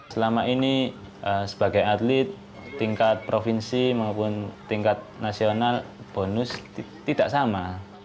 selama ini sebagai atlet tingkat provinsi maupun tingkat nasional bonus tidak sama